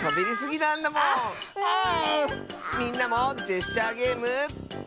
みんなもジェスチャーゲーム。